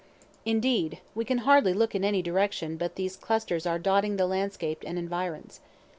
Indeed, we can hardly look in any direction but these clusters are dotting the landscape and environs.